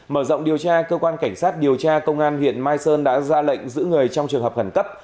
mở rộng điều tra cơ quan cảnh sát điều tra công an huyện mai sơn đã ra lệnh giữ người trong trường hợp khẩn cấp